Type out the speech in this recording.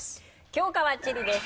教科は地理です。